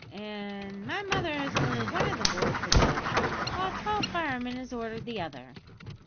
An' my mother has ordered one o' the boys to go, while a tall fireman has ordered the other.